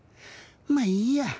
まあいいや。